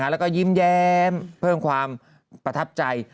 แล้วก็ยิ้มแย้มเพิ่มความประทับใจ